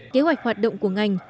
kế hoạch hoạt động của ngành